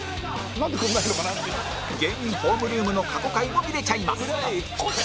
芸人ホームルームの過去回も見れちゃいます